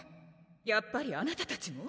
やっぱりあなたたちも？